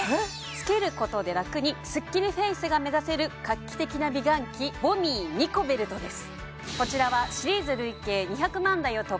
つけることで楽にスッキリフェイスが目指せる画期的な美顔器ＶＯＮＭＩＥニコベルトです